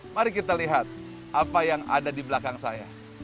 mari kita lihat apa yang ada di belakang saya